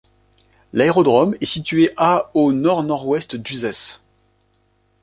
L'aérodrome est situé à au Nord-Nord-Ouest d'Uzès.